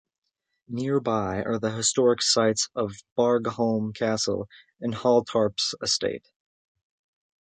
Nearby are the historic sites of Borgholm Castle and Halltorps Estate.